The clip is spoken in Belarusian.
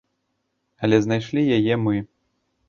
Але знайшлі яе мы.